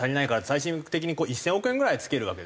最終的に１０００億円ぐらい付けるわけです。